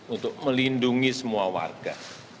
untuk melindungi semua warga